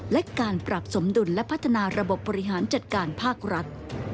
และการปรับสมดุลและพัฒนาระบบบบริหารจัดการภาครัฐ